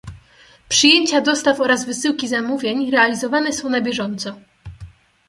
Przyjęcia dostaw oraz wysyłki zamówień realizowane są na bieżąco.